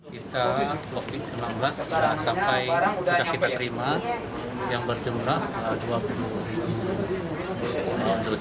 kita blokir enam belas sampai kita terima yang berjumlah dua puluh dosis